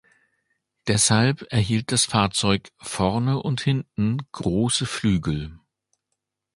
Deshalb erhielt das Fahrzeug vorne und hinten große Flügel.